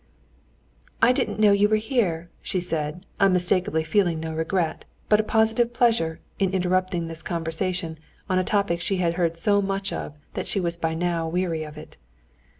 "I didn't know you were here," she said, unmistakably feeling no regret, but a positive pleasure, in interrupting this conversation on a topic she had heard so much of that she was by now weary of it.